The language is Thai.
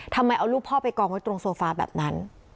ทำไมเอาลูกพ่อไปกองไว้ตรงโซฟาแบบนั้น